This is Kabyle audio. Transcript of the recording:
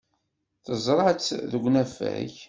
Teẓra-tt deg unafag.